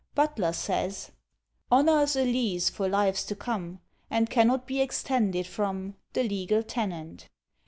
Butler says, Honour's a LEASE for LIVES TO COME, And cannot be extended from The LEGAL TENANT.